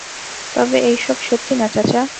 তবে এইসব সত্যি না চাচা।